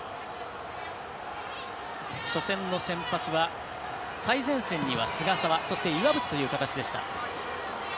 初戦の先発は最前線には菅澤そして、岩渕という形でした。